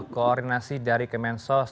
koordinasi dari kemensos